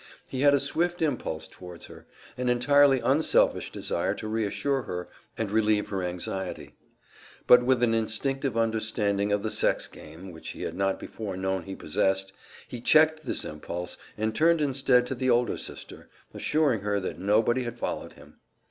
He had a swift impulse towards her, an entirely unselfish desire to reassure her and relieve her anxiety; but with an instinctive understanding of the sex game which he had not before known he possessed, he checked this impulse and turned instead to the older sister, assuring her that nobody had followed him.